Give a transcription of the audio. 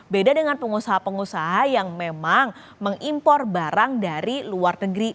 beda dengan pengusaha pengusaha yang memang mengimpor barang dari luar negeri